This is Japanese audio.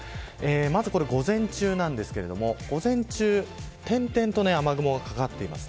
まず午前中ですが点々と雨雲がかかっています。